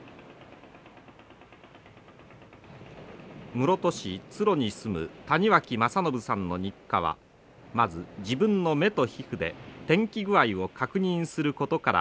室戸市津呂に住む谷脇政信さんの日課はまず自分の目と皮膚で天気具合を確認することから始まります。